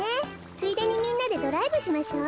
ついでにみんなでドライブしましょう。